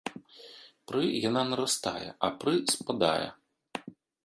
Пры яна нарастае, а пры спадае.